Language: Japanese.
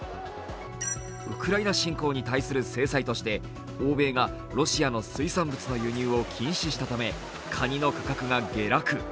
ウクライナ侵攻に対する制裁として欧米がロシアの水産物の輸入を禁止したためかにの価格が下落。